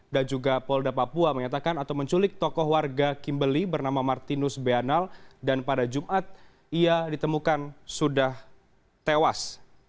dan juga polda papua menyatakan atau menculik tokoh warga kimberley bernama martinus beanal dan pada jumat ia ditemukan sudah tewas